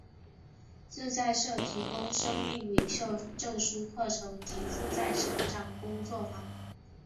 自在社提供生命领袖证书课程及自在成长工作坊。